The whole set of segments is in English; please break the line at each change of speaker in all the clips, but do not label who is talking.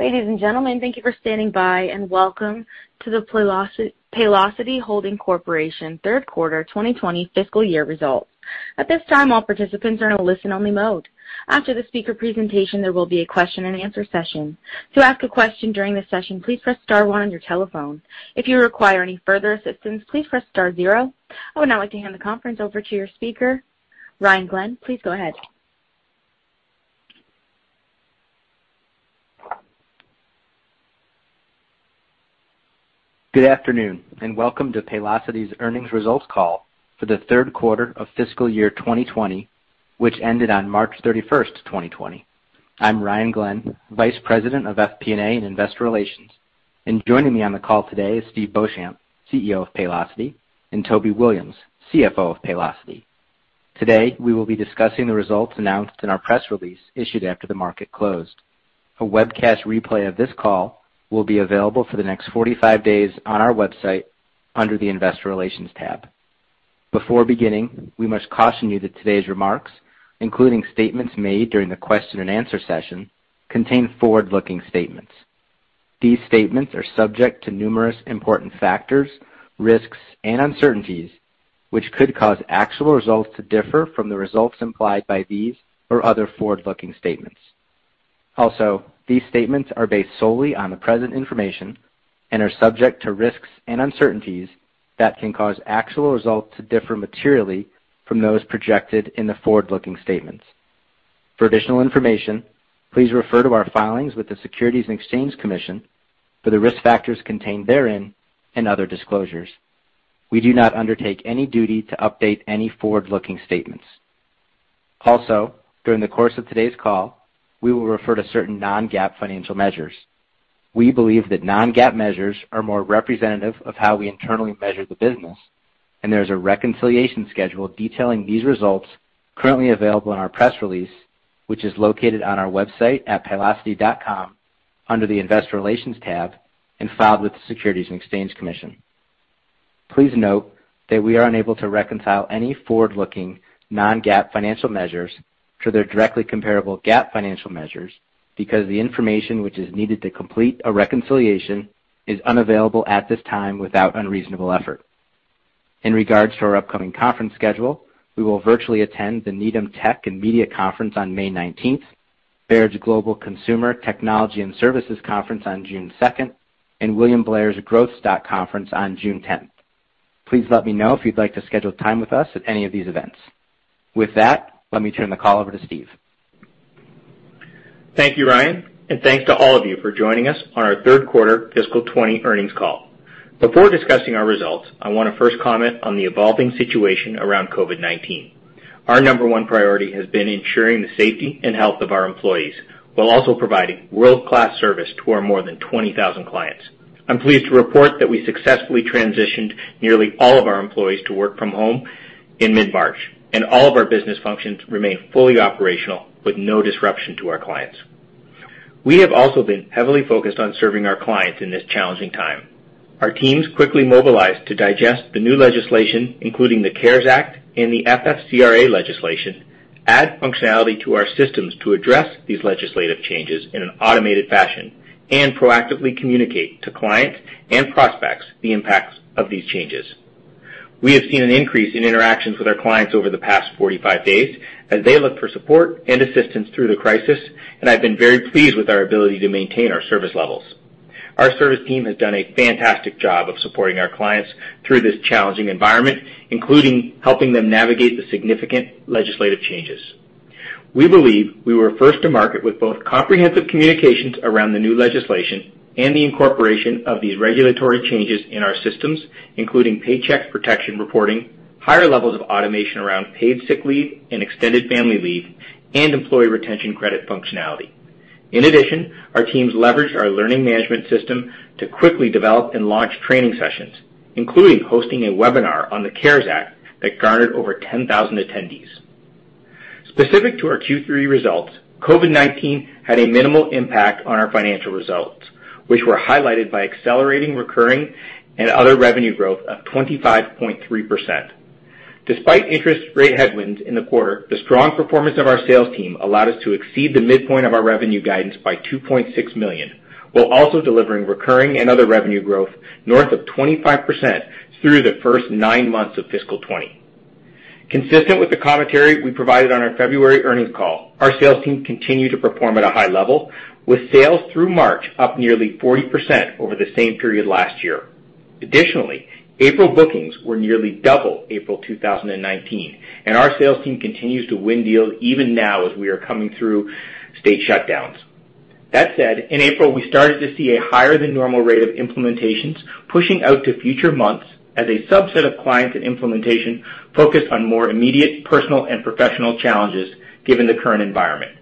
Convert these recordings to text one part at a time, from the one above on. Ladies and gentlemen, thank you for standing by, and welcome to the Paylocity Holding Corporation third quarter 2020 fiscal year results. At this time, all participants are in a listen-only mode. After the speaker presentation, there will be a question and answer session. To ask a question during the session, please press star one on your telephone. If you require any further assistance, please press star zero. I would now like to hand the conference over to your speaker, Ryan Glenn. Please go ahead.
Good afternoon, and welcome to Paylocity's earnings results call for the third quarter of fiscal year 2020, which ended on March 31st, 2020. I'm Ryan Glenn, Vice President of FP&A and Investor Relations. Joining me on the call today is Steve Beauchamp, CEO of Paylocity, and Toby Williams, CFO of Paylocity. Today, we will be discussing the results announced in our press release issued after the market closed. A webcast replay of this call will be available for the next 45 days on our website under the Investor Relations tab. Before beginning, we must caution you that today's remarks, including statements made during the question and answer session, contain forward-looking statements. These statements are subject to numerous important factors, risks, and uncertainties, which could cause actual results to differ from the results implied by these or other forward-looking statements. These statements are based solely on the present information and are subject to risks and uncertainties that can cause actual results to differ materially from those projected in the forward-looking statements. For additional information, please refer to our filings with the Securities and Exchange Commission for the risk factors contained therein and other disclosures. We do not undertake any duty to update any forward-looking statements. During the course of today's call, we will refer to certain non-GAAP financial measures. We believe that non-GAAP measures are more representative of how we internally measure the business, and there's a reconciliation schedule detailing these results currently available in our press release, which is located on our website at paylocity.com under the Investor Relations tab and filed with the Securities and Exchange Commission. Please note that we are unable to reconcile any forward-looking non-GAAP financial measures to their directly comparable GAAP financial measures, because the information which is needed to complete a reconciliation is unavailable at this time without unreasonable effort. In regards to our upcoming conference schedule, we will virtually attend the Needham Technology & Media Conference on May 19th, 2020. Baird's Global Consumer, Technology & Services Conference on June 2nd, 2020. And William Blair Annual Growth Stock Conference on June 10th, 2020. Please let me know if you'd like to schedule time with us at any of these events. With that, let me turn the call over to Steve.
Thank you, Ryan, and thanks to all of you for joining us on our third quarter fiscal 2020 earnings call. Before discussing our results, I want to first comment on the evolving situation around COVID-19. Our number one priority has been ensuring the safety and health of our employees, while also providing world-class service to our more than 20,000 clients. I'm pleased to report that we successfully transitioned nearly all of our employees to work from home in mid-March, and all of our business functions remain fully operational with no disruption to our clients. We have also been heavily focused on serving our clients in this challenging time. Our teams quickly mobilized to digest the new legislation, including the CARES Act and the FFCRA legislation, add functionality to our systems to address these legislative changes in an automated fashion, and proactively communicate to clients and prospects the impacts of these changes. We have seen an increase in interactions with our clients over the past 45 days as they look for support and assistance through the crisis, and I've been very pleased with our ability to maintain our service levels. Our service team has done a fantastic job of supporting our clients through this challenging environment, including helping them navigate the significant legislative changes. We believe we were first to market with both comprehensive communications around the new legislation and the incorporation of these regulatory changes in our systems, including Paycheck Protection Program reporting, higher levels of automation around paid sick leave and extended family leave, and Employee Retention Credit functionality. In addition, our teams leveraged our Learning Management System to quickly develop and launch training sessions, including hosting a webinar on the CARES Act that garnered over 10,000 attendees. Specific to our Q3 results, COVID-19 had a minimal impact on our financial results, which were highlighted by accelerating recurring and other revenue growth of 25.3%. Despite interest rate headwinds in the quarter, the strong performance of our sales team allowed us to exceed the midpoint of our revenue guidance by $2.6 million, while also delivering recurring and other revenue growth north of 25% through the first nine months of fiscal 2020. Consistent with the commentary we provided on our February earnings call, our sales team continued to perform at a high level, with sales through March up nearly 40% over the same period last year. Additionally, April bookings were nearly double April 2019, and our sales team continues to win deals even now as we are coming through state shutdowns. That said, in April, we started to see a higher-than-normal rate of implementations pushing out to future months as a subset of clients and implementation focused on more immediate personal and professional challenges given the current environment.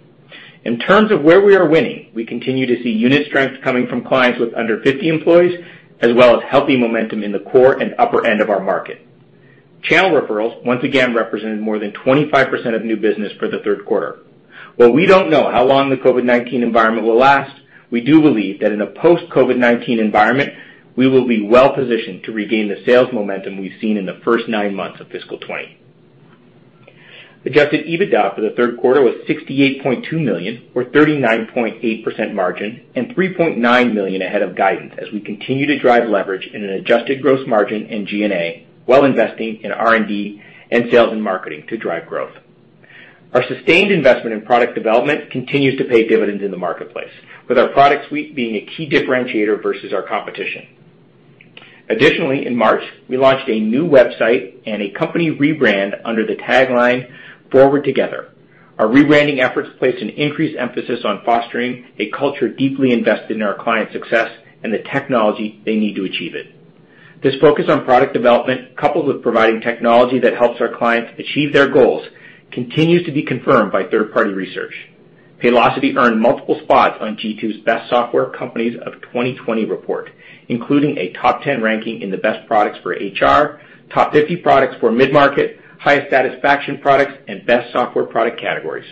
In terms of where we are winning, we continue to see unit strengths coming from clients with under 50 employees, as well as healthy momentum in the core and upper end of our market. Channel referrals once again represented more than 25% of new business for the third quarter. While we don't know how long the COVID-19 environment will last, we do believe that in a post-COVID-19 environment, we will be well-positioned to regain the sales momentum we've seen in the first nine months of fiscal 2020. Adjusted EBITDA for the third quarter was $68.2 million, or 39.8% margin, and $3.9 million ahead of guidance as we continue to drive leverage in an adjusted gross margin in G&A while investing in R&D and sales and marketing to drive growth. Our sustained investment in product development continues to pay dividends in the marketplace, with our product suite being a key differentiator versus our competition. Additionally, in March, we launched a new website and a company rebrand under the tagline "Forward Together." Our rebranding efforts place an increased emphasis on fostering a culture deeply invested in our clients' success and the technology they need to achieve it. This focus on product development, coupled with providing technology that helps our clients achieve their goals, continues to be confirmed by third-party research. Paylocity earned multiple spots on G2's Best Software Companies of 2020 report, including a top 10 ranking in the best products for HR, top 50 products for mid-market, highest satisfaction products, and best software product categories.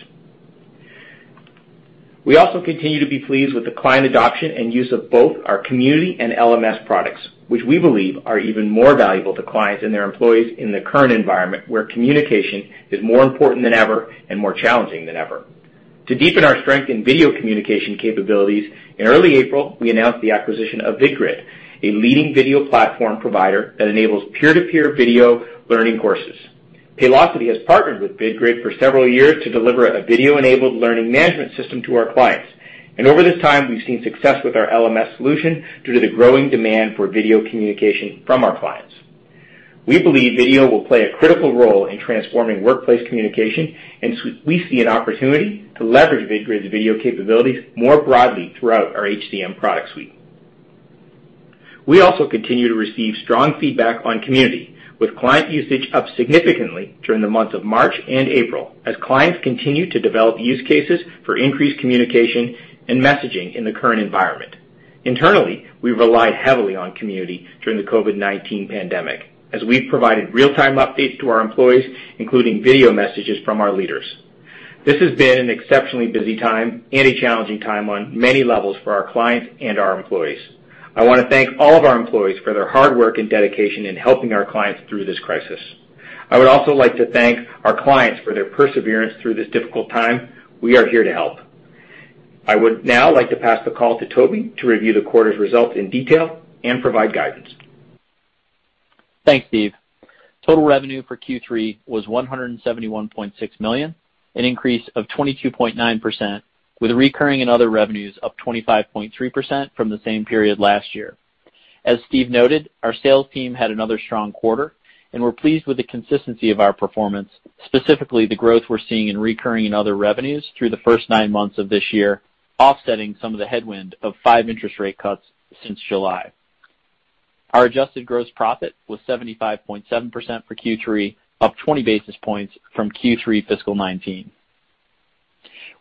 We also continue to be pleased with the client adoption and use of both our Community and LMS products, which we believe are even more valuable to clients and their employees in the current environment, where communication is more important than ever and more challenging than ever. To deepen our strength in video communication capabilities, in early April, we announced the acquisition of VidGrid, a leading video platform provider that enables peer-to-peer video learning courses. Paylocity has partnered with VidGrid for several years to deliver a video-enabled learning management system to our clients. Over this time, we've seen success with our LMS solution due to the growing demand for video communication from our clients. We believe video will play a critical role in transforming workplace communication, and we see an opportunity to leverage VidGrid's video capabilities more broadly throughout our HCM product suite. We also continue to receive strong feedback on Community, with client usage up significantly during the months of March and April as clients continue to develop use cases for increased communication and messaging in the current environment. Internally, we've relied heavily on Community during the COVID-19 pandemic as we've provided real-time updates to our employees, including video messages from our leaders. This has been an exceptionally busy time and a challenging time on many levels for our clients and our employees. I want to thank all of our employees for their hard work and dedication in helping our clients through this crisis. I would also like to thank our clients for their perseverance through this difficult time. We are here to help. I would now like to pass the call to Toby to review the quarter's results in detail and provide guidance.
Thanks, Steve. Total revenue for Q3 was $171.6 million, an increase of 22.9%, with recurring and other revenues up 25.3% from the same period last year. As Steve noted, our sales team had another strong quarter, and we're pleased with the consistency of our performance, specifically the growth we're seeing in recurring in other revenues through the first nine months of this year, offsetting some of the headwind of five interest rate cuts since July. Our adjusted gross profit was 75.7% for Q3, up 20 basis points from Q3 fiscal 2019.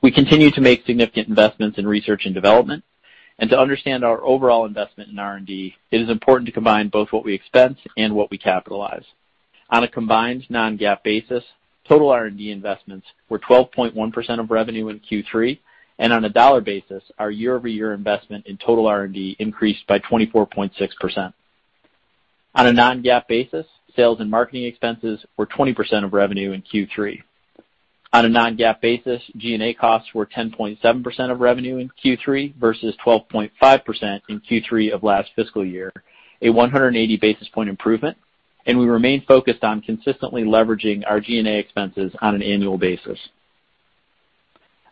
We continue to make significant investments in research and development. To understand our overall investment in R&D, it is important to combine both what we expense and what we capitalize. On a combined non-GAAP basis, total R&D investments were 12.1% of revenue in Q3. On a dollar basis, our year-over-year investment in total R&D increased by 24.6%. On a non-GAAP basis, sales and marketing expenses were 20% of revenue in Q3. On a non-GAAP basis, G&A costs were 10.7% of revenue in Q3 versus 12.5% in Q3 of last fiscal year, a 180 basis point improvement. We remain focused on consistently leveraging our G&A expenses on an annual basis.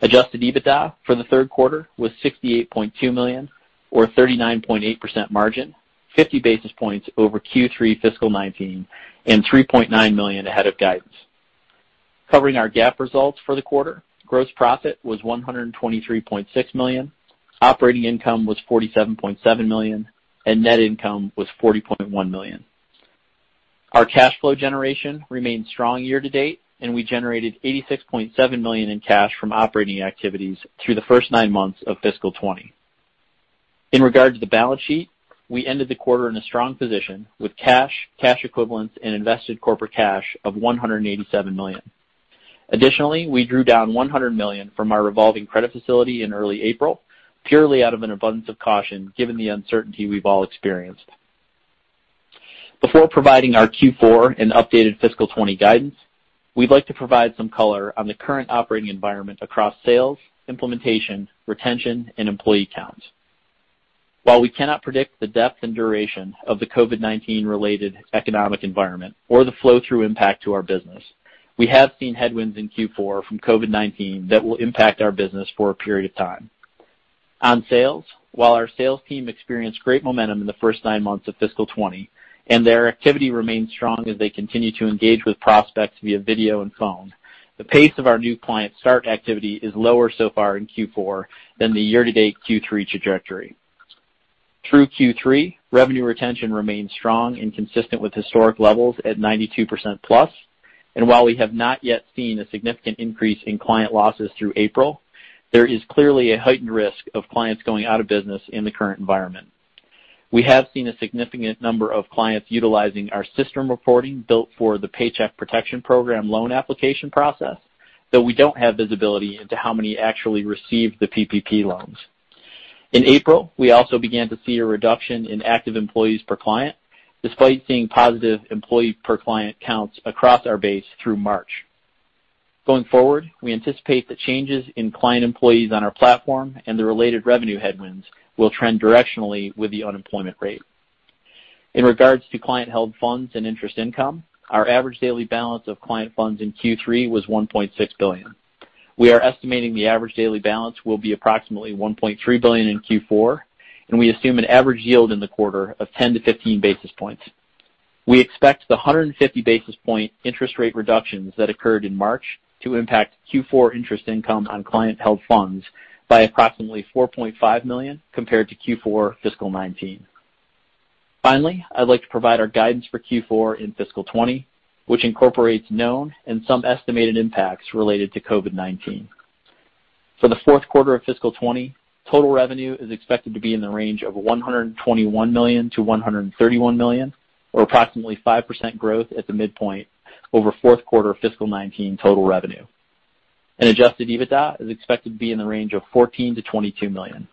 Adjusted EBITDA for the third quarter was $68.2 million or 39.8% margin, 50 basis points over Q3 fiscal 2019. $3.9 million ahead of guidance. Covering our GAAP results for the quarter, gross profit was $123.6 million, operating income was $47.7 million, and net income was $40.1 million. Our cash flow generation remained strong year-to-date. We generated $86.7 million in cash from operating activities through the first nine months of fiscal 2020. In regard to the balance sheet, we ended the quarter in a strong position with cash equivalents, and invested corporate cash of $187 million. Additionally, we drew down $100 million from our revolving credit facility in early April, purely out of an abundance of caution given the uncertainty we've all experienced. Before providing our Q4 and updated fiscal 2020 guidance, we'd like to provide some color on the current operating environment across sales, implementation, retention, and employee count. While we cannot predict the depth and duration of the COVID-19 related economic environment or the flow-through impact to our business, we have seen headwinds in Q4 from COVID-19 that will impact our business for a period of time. On sales, while our sales team experienced great momentum in the first nine months of fiscal 2020, their activity remains strong as they continue to engage with prospects via video and phone, the pace of our new client start activity is lower so far in Q4 than the year-to-date Q3 trajectory. Through Q3, revenue retention remains strong and consistent with historic levels at 92%+. While we have not yet seen a significant increase in client losses through April, there is clearly a heightened risk of clients going out of business in the current environment. We have seen a significant number of clients utilizing our system reporting built for the Paycheck Protection Program loan application process, though we don't have visibility into how many actually received the PPP loans. In April, we also began to see a reduction in active employees per client, despite seeing positive employee per client counts across our base through March. Going forward, we anticipate the changes in client employees on our platform and the related revenue headwinds will trend directionally with the unemployment rate. In regards to client-held funds and interest income, our average daily balance of client funds in Q3 was $1.6 billion. We are estimating the average daily balance will be approximately $1.3 billion in Q4, and we assume an average yield in the quarter of 10 to 15 basis points. We expect the 150 basis points interest rate reductions that occurred in March to impact Q4 interest income on client-held funds by approximately $4.5 million compared to Q4 fiscal 2019. I'd like to provide our guidance for Q4 in fiscal 2020, which incorporates known and some estimated impacts related to COVID-19. For the fourth quarter of fiscal 2020, total revenue is expected to be in the range of $121 million-$131 million, or approximately 5% growth at the midpoint over fourth quarter fiscal 2019 total revenue. Adjusted EBITDA is expected to be in the range of $14 million-$22 million.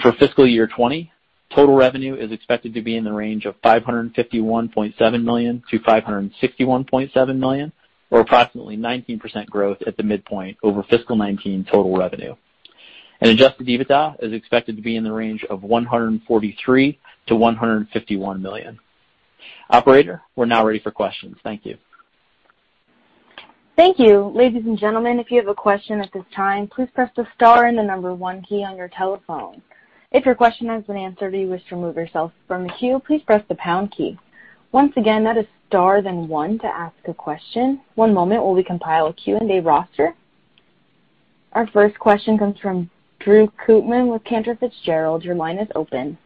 For fiscal year 2020, total revenue is expected to be in the range of $551.7 million-$561.7 million, or approximately 19% growth at the midpoint over fiscal 2019 total revenue. Adjusted EBITDA is expected to be in the range of $143 million-$151 million. Operator, we're now ready for questions. Thank you.
Thank you. Ladies and gentlemen, if you have a question at this time, please press the star and the number one key on your telephone. If your question has been answered or you wish to remove yourself from the queue, please press the pound key. Once again, that is star then one to ask a question. One moment while we compile a Q&A roster. Our first question comes from Drew Kootman with Cantor Fitzgerald. Your line is open.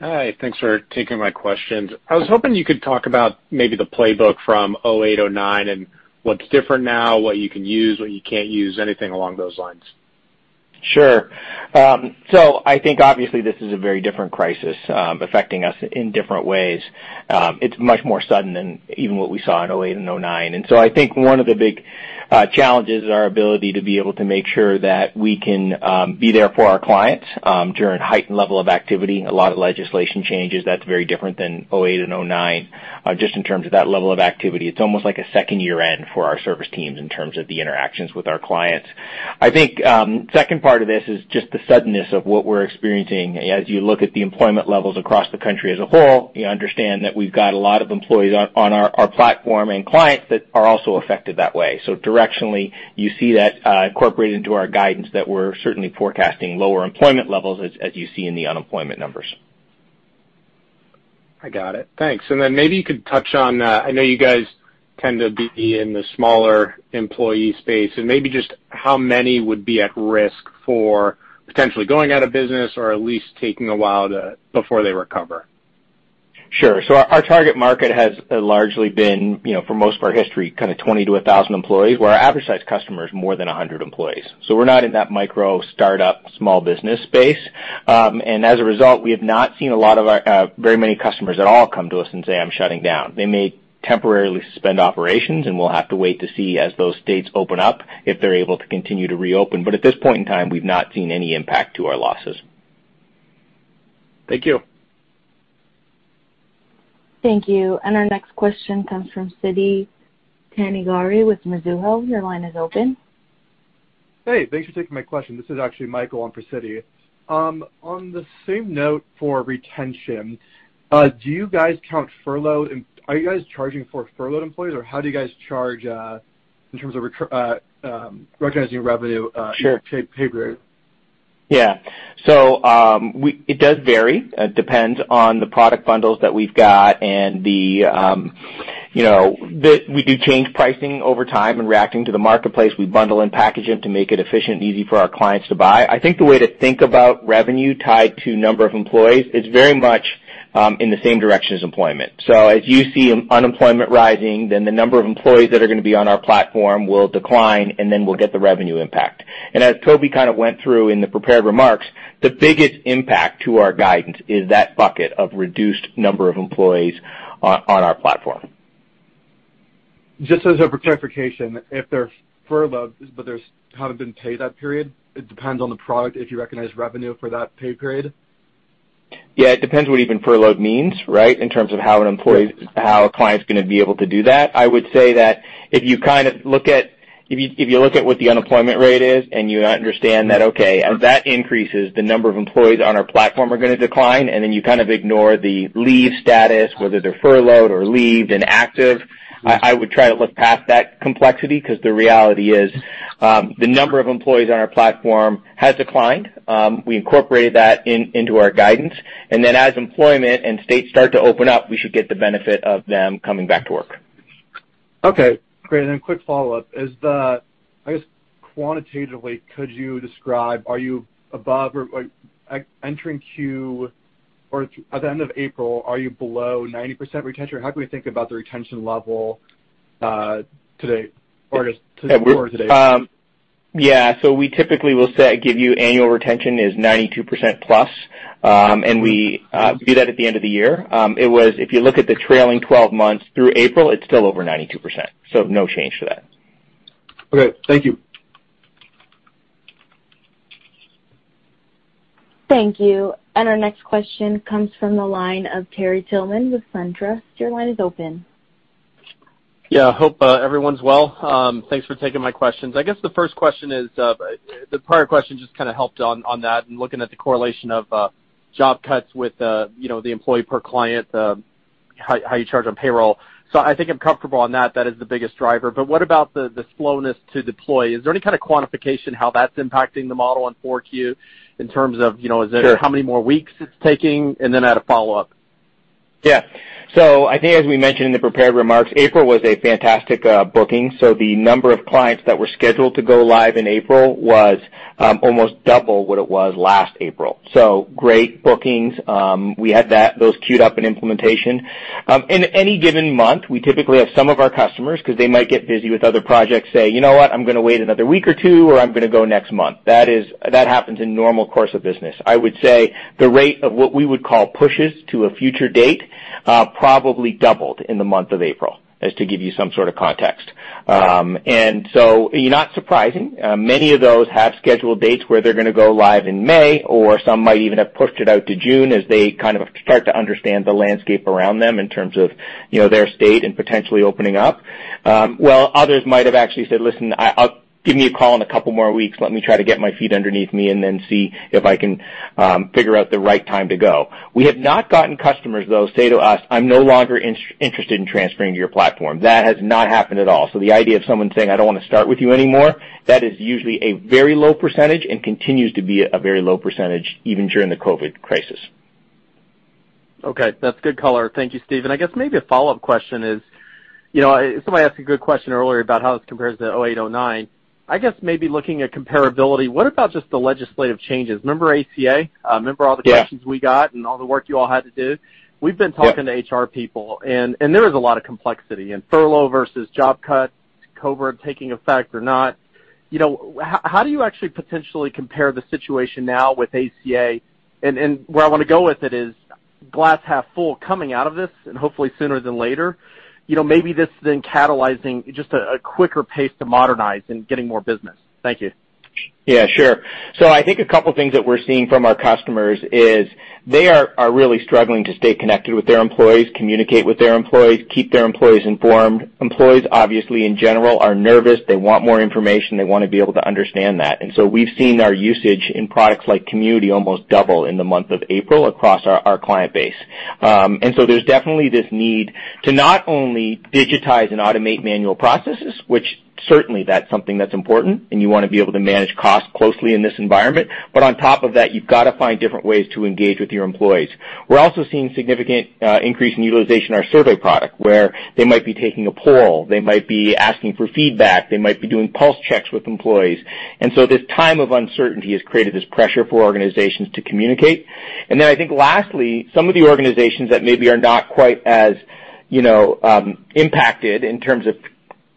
Hi. Thanks for taking my questions. I was hoping you could talk about maybe the playbook from 2008, 2009 and what's different now, what you can use, what you can't use, anything along those lines?
Sure. I think obviously this is a very different crisis, affecting us in different ways. It's much more sudden than even what we saw in 2008 and 2009. I think one of the big challenges is our ability to be able to make sure that we can be there for our clients during heightened level of activity. A lot of legislation changes. That's very different than 2008 and 2009. Just in terms of that level of activity, it's almost like a second year-end for our service teams in terms of the interactions with our clients. I think, second part of this is just the suddenness of what we're experiencing. As you look at the employment levels across the country as a whole, you understand that we've got a lot of employees on our platform and clients that are also affected that way. Directionally, you see that incorporated into our guidance that we're certainly forecasting lower employment levels as you see in the unemployment numbers.
I got it. Thanks. Maybe you could touch on I know you guys tend to be in the smaller employee space, and maybe just how many would be at risk for potentially going out of business or at least taking a while before they recover?
Sure. Our target market has largely been, for most of our history, 20 to 1,000 employees, where our average size customer is more than 100 employees. We're not in that micro startup small business space. As a result, we have not seen very many customers at all come to us and say, "I'm shutting down." They may temporarily suspend operations, and we'll have to wait to see as those states open up if they're able to continue to reopen. At this point in time, we've not seen any impact to our losses.
Thank you.
Thank you. Our next question comes from Siti Panigrahi with Mizuho. Your line is open.
Hey, thanks for taking my question. This is actually Michael on for Siti. On the same note for retention, are you guys charging for furloughed employees, or how do you guys charge in terms of recognizing revenue pay period?
It does vary. It depends on the product bundles that we've got, and we do change pricing over time in reacting to the marketplace. We bundle and package them to make it efficient and easy for our clients to buy. I think the way to think about revenue tied to number of employees, it's very much in the same direction as employment. As you see unemployment rising, the number of employees that are going to be on our platform will decline, we'll get the revenue impact. As Toby went through in the prepared remarks, the biggest impact to our guidance is that bucket of reduced number of employees on our platform.
Just as a clarification, if they're furloughed, but haven't been paid that period, it depends on the product if you recognize revenue for that pay period?
Yeah, it depends what even furloughed means, right? In terms of how a client's going to be able to do that. I would say that if you look at what the unemployment rate is and you understand that, okay, as that increases, the number of employees on our platform are going to decline, and then you ignore the leave status, whether they're furloughed or leaved inactive. I would try to look past that complexity because the reality is the number of employees on our platform has declined. We incorporated that into our guidance. As employment and states start to open up, we should get the benefit of them coming back to work.
Okay, great. Quick follow-up. I guess quantitatively, could you describe, are you above or entering Q, at the end of April, are you below 90% retention? How can we think about the retention level to date or as to today?
Yeah. We typically will give you annual retention is 92%+. We do that at the end of the year. If you look at the trailing 12 months through April, it's still over 92%. No change to that.
Okay. Thank you.
Thank you. Our next question comes from the line of Terry Tillman with SunTrust. Your line is open.
Yeah. Hope everyone's well. Thanks for taking my questions. I guess the first question is, the prior question just kind of helped on that, and looking at the correlation of job cuts with the employee per client, how you charge on payroll. I think I'm comfortable on that. That is the biggest driver. What about the slowness to deploy? Is there any kind of quantification how that's impacting the model in 4Q? In terms of, how many more weeks it's taking? Then I had a follow-up.
I think as we mentioned in the prepared remarks, April was a fantastic booking. The number of clients that were scheduled to go live in April was almost double what it was last April. Great bookings. We had those queued up in implementation. In any given month, we typically have some of our customers, because they might get busy with other projects, say, "You know what? I'm going to wait another week or two, or I'm going to go next month." That happens in normal course of business. I would say the rate of what we would call pushes to a future date probably doubled in the month of April, is to give you some sort of context. Not surprising, many of those have scheduled dates where they're going to go live in May, or some might even have pushed it out to June as they kind of start to understand the landscape around them in terms of their state and potentially opening up. While others might have actually said, "Listen, give me a call in a couple more weeks. Let me try to get my feet underneath me and then see if I can figure out the right time to go." We have not gotten customers, though, say to us, "I'm no longer interested in transferring to your platform." That has not happened at all. The idea of someone saying, "I don't want to start with you anymore," that is usually a very low percentage and continues to be a very low percentage even during the COVID-19 crisis.
Okay. That's good color. Thank you, Steve. I guess maybe a follow-up question is, somebody asked a good question earlier about how this compares to 2008, 2009. I guess maybe looking at comparability, what about just the legislative changes? Remember ACA? Remember all the questions we got and all the work you all had to do? We've been talking to HR people, there is a lot of complexity in furlough versus job cuts, COBRA taking effect or not. How do you actually potentially compare the situation now with ACA? Where I want to go with it is glass half full coming out of this and hopefully sooner than later, maybe this then catalyzing just a quicker pace to modernize and getting more business. Thank you.
Yeah, sure. I think a couple things that we're seeing from our customers is they are really struggling to stay connected with their employees, communicate with their employees, keep their employees informed. Employees, obviously, in general, are nervous. They want more information. They want to be able to understand that. We've seen our usage in products like Community almost double in the month of April across our client base. There's definitely this need to not only digitize and automate manual processes, which certainly that's something that's important, and you want to be able to manage costs closely in this environment, but on top of that, you've got to find different ways to engage with your employees. We're also seeing significant increase in utilization in our survey product, where they might be taking a poll, they might be asking for feedback, they might be doing pulse checks with employees. This time of uncertainty has created this pressure for organizations to communicate. I think lastly, some of the organizations that maybe are not quite as impacted in terms of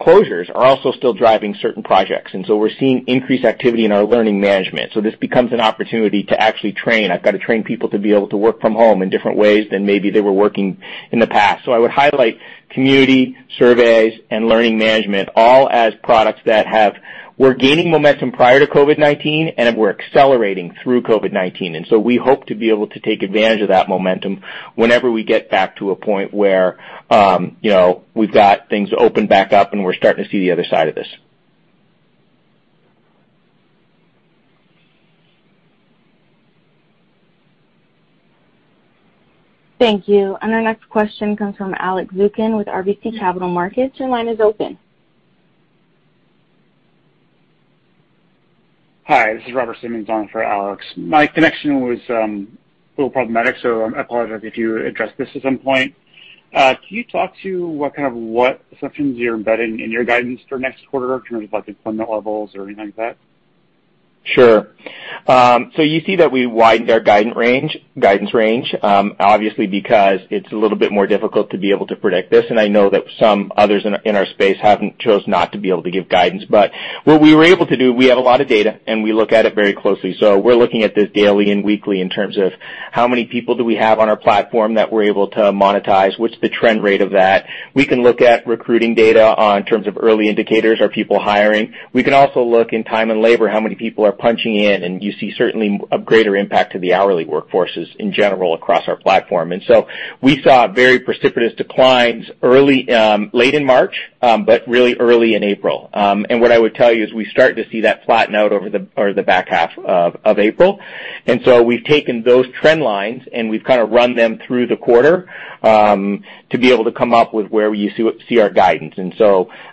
closures are also still driving certain projects. We're seeing increased activity in our Learning Management. This becomes an opportunity to actually train. I've got to train people to be able to work from home in different ways than maybe they were working in the past. I would highlight Community, surveys, and Learning Management all as products that were gaining momentum prior to COVID-19 and were accelerating through COVID-19. We hope to be able to take advantage of that momentum whenever we get back to a point where we've got things opened back up and we're starting to see the other side of this.
Thank you. Our next question comes from Alex Zukin with RBC Capital Markets. Your line is open.
Hi, this is Robert Simmons on for Alex. My connection was a little problematic, so I apologize if you addressed this at some point. Can you talk to what kind of assumptions you're embedding in your guidance for next quarter in terms of employment levels or anything like that?
Sure. You see that we widened our guidance range, obviously because it's a little bit more difficult to be able to predict this, and I know that some others in our space have chose not to be able to give guidance. What we were able to do, we have a lot of data, and we look at it very closely. We're looking at this daily and weekly in terms of how many people do we have on our platform that we're able to monetize, what's the trend rate of that? We can look at recruiting data in terms of early indicators. Are people hiring? We can also look in time and labor, how many people are punching in, and you see certainly a greater impact to the hourly workforces in general across our platform. We saw very precipitous declines late in March, but really early in April. What I would tell you is we start to see that flatten out over the back half of April. We've taken those trend lines, and we've kind of run them through the quarter to be able to come up with where you see our guidance.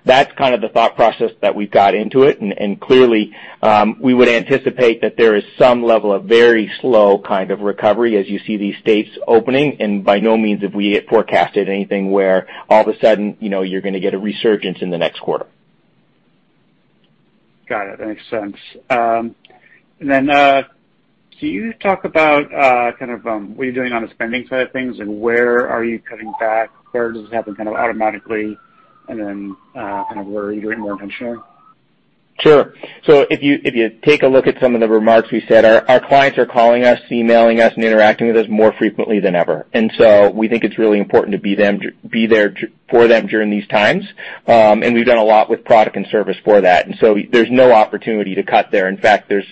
That's kind of the thought process that we've got into it. Clearly, we would anticipate that there is some level of very slow kind of recovery as you see these states opening, and by no means have we forecasted anything where all of a sudden you're going to get a resurgence in the next quarter.
Got it. That makes sense. Can you talk about what you're doing on the spending side of things, and where are you cutting back? Where does this happen kind of automatically, where are you doing more intentionally?
Sure. If you take a look at some of the remarks we said, our clients are calling us, emailing us, and interacting with us more frequently than ever. We think it's really important to be there for them during these times. And we've done a lot with product and service for that, and so there's no opportunity to cut there. In fact, there's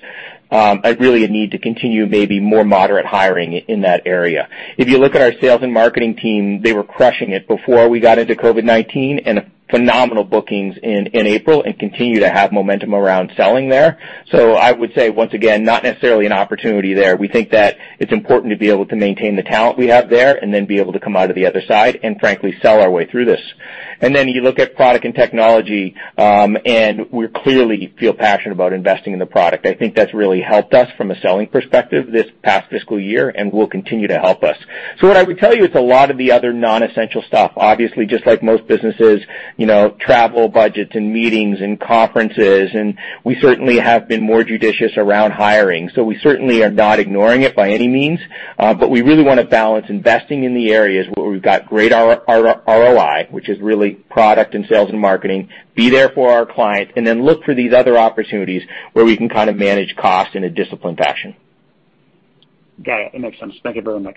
really a need to continue maybe more moderate hiring in that area. If you look at our sales and marketing team, they were crushing it before we got into COVID-19 and phenomenal bookings in April and continue to have momentum around selling there. I would say, once again, not necessarily an opportunity there. We think that it's important to be able to maintain the talent we have there and then be able to come out of the other side and frankly, sell our way through this. You look at product and technology, and we clearly feel passionate about investing in the product. I think that's really helped us from a selling perspective this past fiscal year and will continue to help us. What I would tell you, it's a lot of the other non-essential stuff. Obviously, just like most businesses, travel budgets and meetings and conferences, and we certainly have been more judicious around hiring. We certainly are not ignoring it by any means. We really want to balance investing in the areas where we've got great ROI, which is really product and sales and marketing, be there for our clients, and then look for these other opportunities where we can kind of manage costs in a disciplined fashion.
Got it. It makes sense. Thank you very much.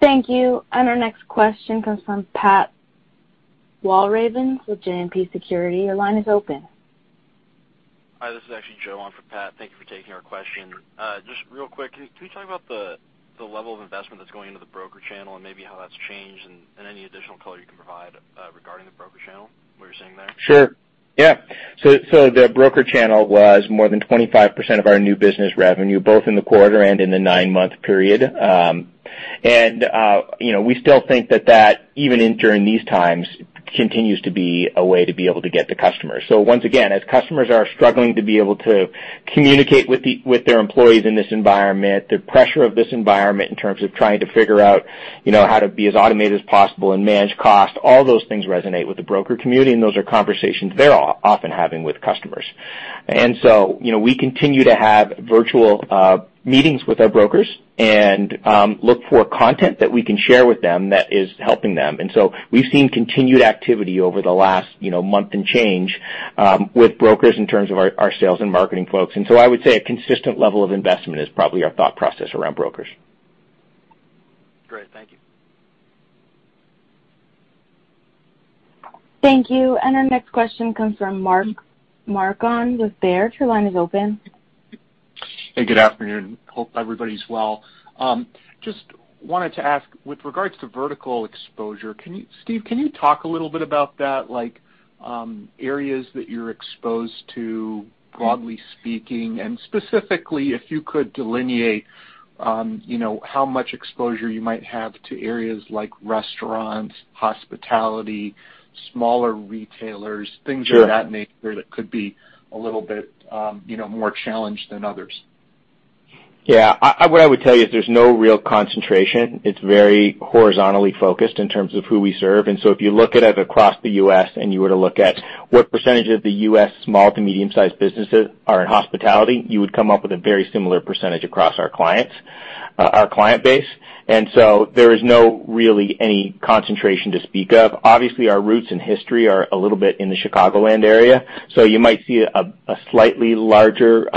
Thank you. Our next question comes from Pat Walravens with JMP Security. Your line is open.
Hi, this is actually Joey on for Pat. Thank you for taking our question. Just real quick, can you talk about the level of investment that's going into the broker channel and maybe how that's changed and any additional color you can provide regarding the broker channel, what you're seeing there?
Sure. Yeah. The broker channel was more than 25% of our new business revenue, both in the quarter and in the nine-month period. We still think that that, even during these times, continues to be a way to be able to get to customers. Once again, as customers are struggling to be able to communicate with their employees in this environment, the pressure of this environment in terms of trying to figure out how to be as automated as possible and manage cost, all those things resonate with the broker community, and those are conversations they're often having with customers. We continue to have virtual meetings with our brokers and look for content that we can share with them that is helping them. We've seen continued activity over the last month and change with brokers in terms of our sales and marketing folks. I would say a consistent level of investment is probably our thought process around brokers.
Great. Thank you.
Thank you. Our next question comes from Mark Marcon with Baird. Your line is open.
Hey, good afternoon. Hope everybody's well. Just wanted to ask, with regards to vertical exposure, Steve, can you talk a little bit about that? Like, areas that you're exposed to, broadly speaking, and specifically, if you could delineate how much exposure you might have to areas like restaurants, hospitality, smaller retailers? Things of that nature that could be a little bit more challenged than others.
Yeah. What I would tell you is there's no real concentration. It's very horizontally focused in terms of who we serve. If you look at it across the U.S., and you were to look at what percentage of the U.S. small to medium-sized businesses are in hospitality, you would come up with a very similar percentage across our client base. There is no really any concentration to speak of. Obviously, our roots and history are a little bit in the Chicagoland area, so you might see a slightly larger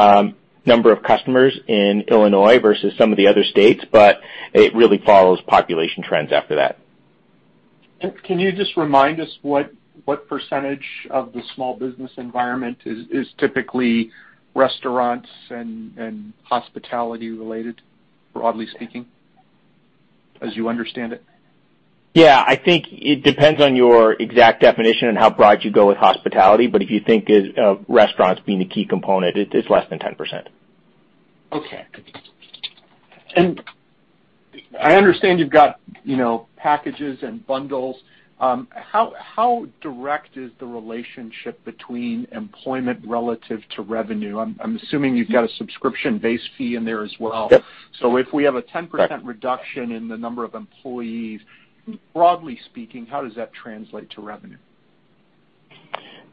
number of customers in Illinois versus some of the other states, but it really follows population trends after that.
Can you just remind us what percentage of the small business environment is typically restaurants and hospitality-related, broadly speaking, as you understand it?
Yeah. I think it depends on your exact definition and how broad you go with hospitality. If you think of restaurants being the key component, it's less than 10%.
Okay. I understand you've got packages and bundles. How direct is the relationship between employment relative to revenue? I'm assuming you've got a subscription-based fee in there as well. If we have a 10% reduction in the number of employees, broadly speaking, how does that translate to revenue?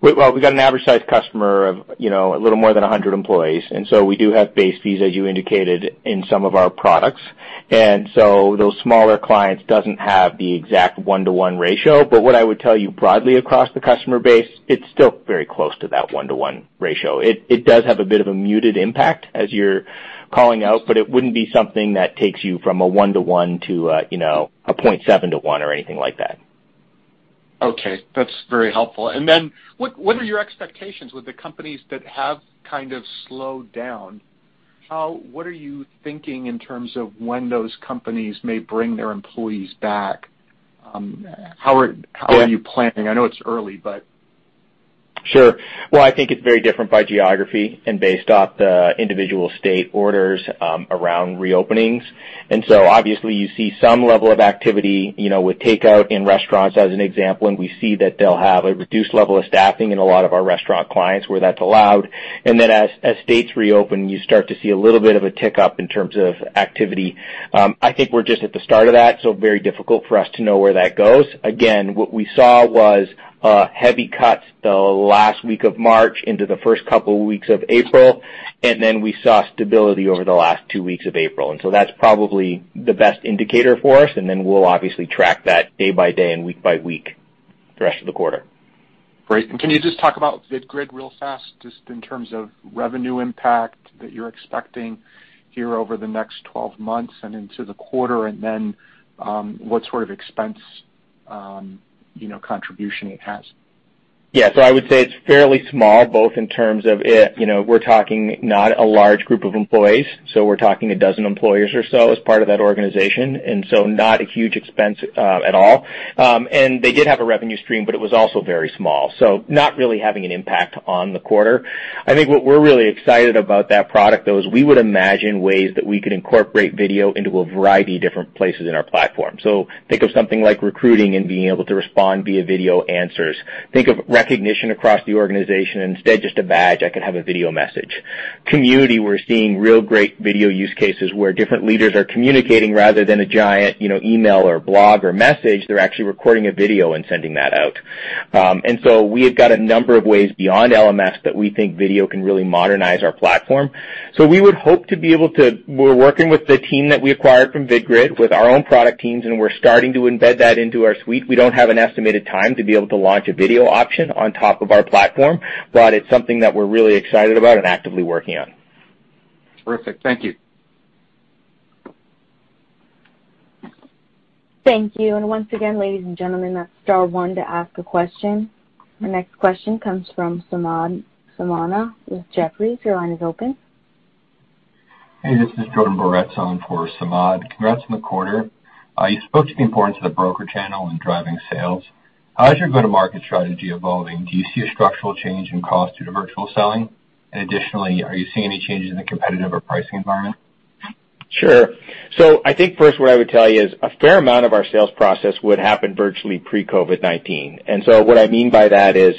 Well, we've got an average size customer of a little more than 100 employees, and so we do have base fees, as you indicated, in some of our products. Those smaller clients doesn't have the exact 1:1 ratio. What I would tell you broadly across the customer base, it's still very close to that 1:1 ratio. It does have a bit of a muted impact as you're calling out, but it wouldn't be something that takes you from a 1:1 to a 0.7:1 or anything like that.
Okay. That's very helpful. What are your expectations with the companies that have kind of slowed down? What are you thinking in terms of when those companies may bring their employees back? How are you planning? I know it's early.
Sure. Well, I think it's very different by geography and based off the individual state orders around reopenings. Obviously, you see some level of activity with takeout in restaurants as an example, and we see that they'll have a reduced level of staffing in a lot of our restaurant clients where that's allowed. As states reopen, you start to see a little bit of a tick-up in terms of activity. I think we're just at the start of that, so very difficult for us to know where that goes. Again, what we saw was heavy cuts the last week of March into the first couple of weeks of April. We saw stability over the last two weeks of April. That's probably the best indicator for us, and then we'll obviously track that day by day and week by week the rest of the quarter.
Great. Can you just talk about VidGrid real fast, just in terms of revenue impact that you're expecting here over the next 12 months and into the quarter, and then what sort of expense contribution it has?
I would say it's fairly small, both in terms of it, we're talking not a large group of employees. We're talking 12 employees or so as part of that organization, not a huge expense at all. They did have a revenue stream, but it was also very small. Not really having an impact on the quarter. I think what we're really excited about that product, though, is we would imagine ways that we could incorporate video into a variety of different places in our platform. Think of something like recruiting and being able to respond via video answers. Think of recognition across the organization. Instead of just a badge, I could have a video message. Community, we're seeing real great video use cases where different leaders are communicating rather than a giant email or blog or message, they're actually recording a video and sending that out. We have got a number of ways beyond LMS that we think video can really modernize our platform. We're working with the team that we acquired from VidGrid, with our own product teams, and we're starting to embed that into our suite. We don't have an estimated time to be able to launch a video option on top of our platform, but it's something that we're really excited about and actively working on.
Terrific. Thank you.
Thank you. Once again, ladies and gentlemen, that's star one to ask a question. The next question comes from Samad Samana with Jefferies. Your line is open.
Hey, this is Jordan Boretz on for Samad. Congrats on the quarter. You spoke to the importance of the broker channel in driving sales. How is your go-to-market strategy evolving? Do you see a structural change in cost due to virtual selling? Additionally, are you seeing any changes in the competitive or pricing environment?
Sure. I think first what I would tell you is a fair amount of our sales process would happen virtually pre-COVID-19. What I mean by that is,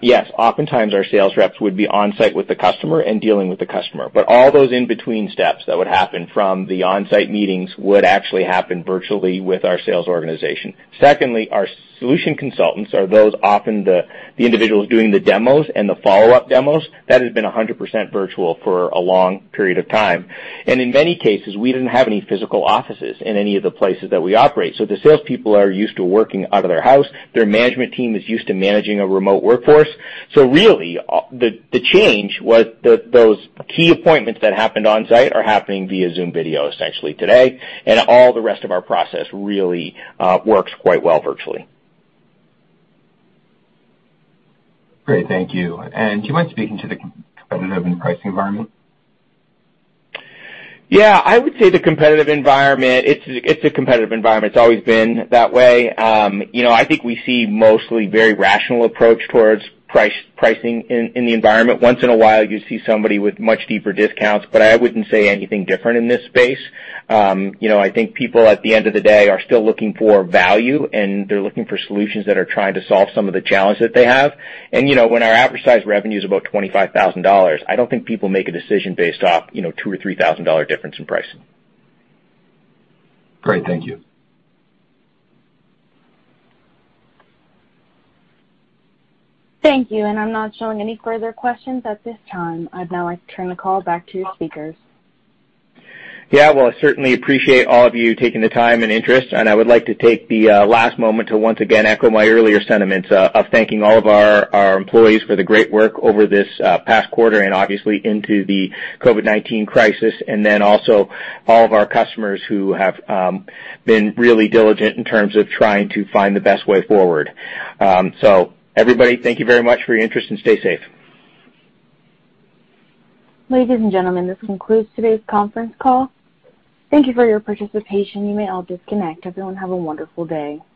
yes, oftentimes our sales reps would be on-site with the customer and dealing with the customer. All those in-between steps that would happen from the on-site meetings would actually happen virtually with our sales organization. Secondly, our solution consultants are those often the individuals doing the demos and the follow-up demos. That has been 100% virtual for a long period of time. In many cases, we didn't have any physical offices in any of the places that we operate. The salespeople are used to working out of their house. Their management team is used to managing a remote workforce. Really, the change was those key appointments that happened on-site are happening via Zoom video essentially today, and all the rest of our process really works quite well virtually.
Great. Thank you. Do you mind speaking to the competitive and pricing environment?
Yeah, I would say the competitive environment, it's a competitive environment. It's always been that way. I think we see mostly very rational approach towards pricing in the environment. Once in a while, you see somebody with much deeper discounts, but I wouldn't say anything different in this space. I think people, at the end of the day, are still looking for value, and they're looking for solutions that are trying to solve some of the challenges that they have. When our advertised revenue is about $25,000, I don't think people make a decision based off $2,000 or $3,000 difference in pricing.
Great. Thank you.
Thank you. I'm not showing any further questions at this time. I'd now like to turn the call back to your speakers.
Well, I certainly appreciate all of you taking the time and interest. I would like to take the last moment to once again echo my earlier sentiments of thanking all of our employees for the great work over this past quarter and obviously into the COVID-19 crisis. Also all of our customers who have been really diligent in terms of trying to find the best way forward. Everybody, thank you very much for your interest and stay safe.
Ladies and gentlemen, this concludes today's conference call. Thank you for your participation. You may all disconnect. Everyone have a wonderful day.